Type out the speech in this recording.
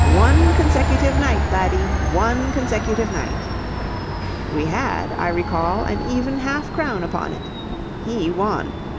One consecutive night, laddie, one consecutive night.' We had, I recall, an even half crown upon it. He won.